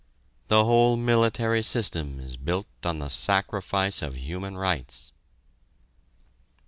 The whole military system is built on the sacrifice of human rights."